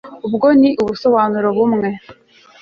ubwo ni ubusobanuro bumwe